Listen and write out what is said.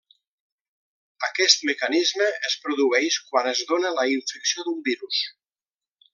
Aquest mecanisme es produeix quan es dóna la infecció d'un virus.